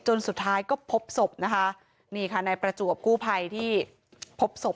สุดท้ายก็พบศพนะคะนี่ค่ะนายประจวบกู้ภัยที่พบศพ